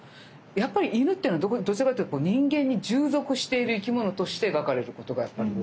やっぱり犬っていうのはどちらかというと人間に従属している生き物として描かれることがやっぱり多い。